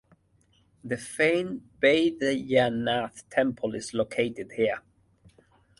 The famed Baidyanath Temple is located here.